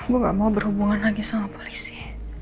gue gak mau berhubungan lagi sama polisi